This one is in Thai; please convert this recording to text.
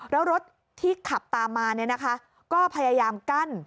แล้วรถที่ขับตามมาก็พยายามกั้น